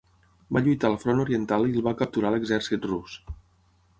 Va lluitar al front oriental i el va capturar l'exèrcit rus.